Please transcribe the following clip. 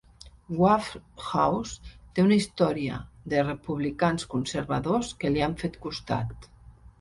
Waffle House té una història de republicans conservadors que li han fet costat.